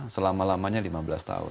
selama lamanya lima belas tahun